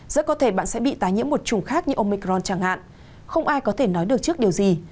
rất có thể bạn sẽ bị tái nhiễm một trùng khác như omicron chẳng hạn không ai có thể nói được trước điều gì